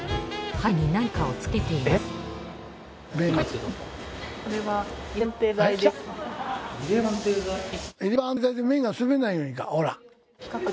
箸に何かをつけていますきた！！